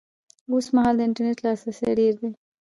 اوس مهال د انټرنېټ لاسرسی ډېر دی